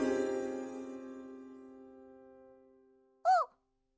あっ！